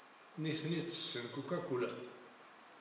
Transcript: Nitni ttessen Coca-Cola.